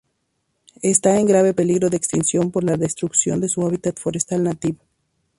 Está en grave peligro de extinción por la destrucción de su hábitat forestal nativo.